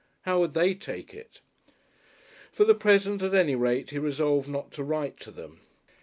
How would they take it?... For the present at any rate he resolved not to write to them.